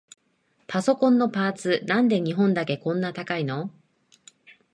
パソコンのパーツ、なんで日本だけこんな高いの？